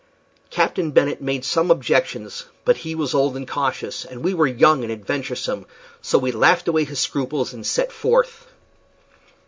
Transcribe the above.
Captain Bennet made some objections, but he was old and cautious, and we were young and venturesome, so we laughed away his scruples and set forth.